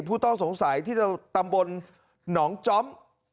ผู้ต้องสงสัยที่ตำบลหนองจ้อม